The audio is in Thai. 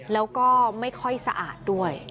แล้วก็ไม่ค่อยสะอาดด้วย